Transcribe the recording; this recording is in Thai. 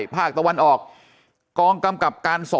แปดกองกำกับการ